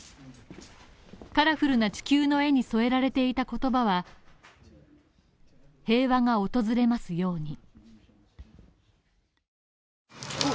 カラフルな地球の絵に添えられていた言葉は「平和が訪れますように」。